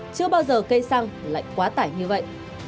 chưa bao giờ cây xăng lại quá tải như vậy